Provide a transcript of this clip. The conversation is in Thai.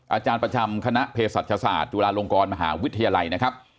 อาจารย์ประจำคณะเพศศาสตร์จุฬาลงกรมหาวิทยาลัยนะครับ